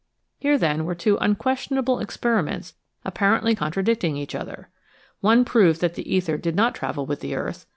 Here then were two unquestionable experiments apparently con tradicting each other. Ohe proved that the ether did not travel with the earth.